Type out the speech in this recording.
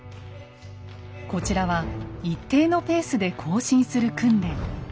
こちらは一定のペースで行進する訓練。